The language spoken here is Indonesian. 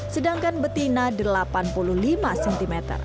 sedangkan betina delapan puluh lima cm